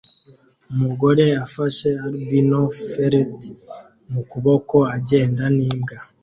Umugore afashe albino ferret mu kuboko agenda n'imbwa